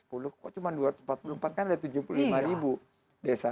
kok cuma dua ratus empat puluh empat kan ada tujuh puluh lima ribu desa